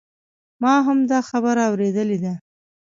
ما هم دا خبره اوریدلې ده